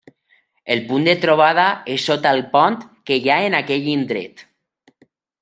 El punt de trobada és sota el pont que hi ha en aquell indret.